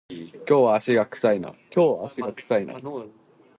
今日は足が臭いな